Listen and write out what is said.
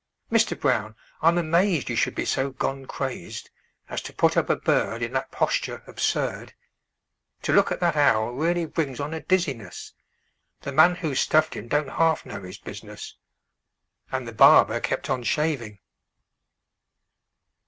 Mister Brown, I'm amazed You should be so gone crazed As to put up a bird In that posture absurd! To look at that owl really brings on a dizziness; The man who stuffed him don't half know his business!" And the barber kept on shaving.